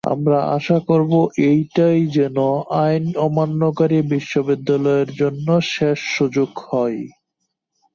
আমরা আশা করব, এটাই যেন আইন অমান্যকারী বিশ্ববিদ্যালয়গুলোর জন্য শেষ সুযোগ হয়।